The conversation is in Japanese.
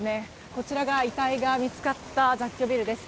こちらが遺体が見つかった雑居ビルです。